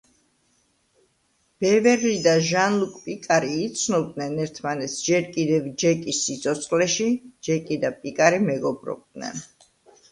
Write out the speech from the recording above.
ბევერლი და ჟან-ლუკ პიკარი იცნობდნენ ერთმანეთს ჯერ კიდევ ჯეკის სიცოცხლეში, ჯეკი და პიკარი მეგობრობდნენ.